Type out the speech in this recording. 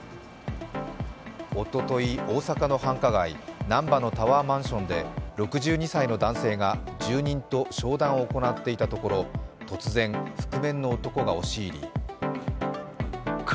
おととい、大阪の繁華街、難波のタワーマンションで６２歳の男性が住人と商談を行っていたところ突然、覆面の男が押し入り